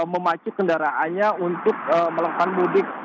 memacu kendaraannya untuk melakukan mudik